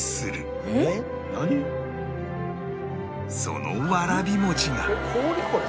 そのわらび餅が